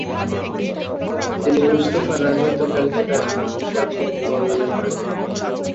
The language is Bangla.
তিনি মুস্তফার রাজত্বকালকে তাঁর বই নুসরতনেমে বর্ণনা করেছেন।